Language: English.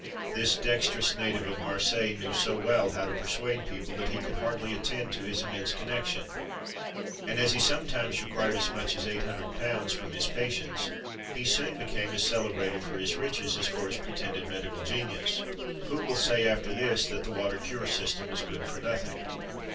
This dexterous native of Marseilles knew so well how to persuade people, that he could hardly attend to his immense connection; and as he sometimes required as much as £800 from his patients,[XXV 43] he soon became as celebrated for his riches as for his pretended medical genius. Who will say, after this, that the water cure system is good for nothing?